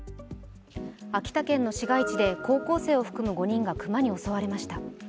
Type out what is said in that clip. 秋田県の市街地で高校生を含む５人が熊に襲われました。